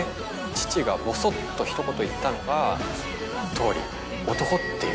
父がぼそっとひと言言ったのが「桃李」。